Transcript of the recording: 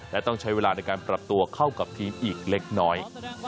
และต้องใช้เวลาในการปรับตัวเข้ากับทีมอีกเล็กน้อย